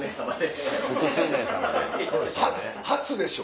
初でしょ？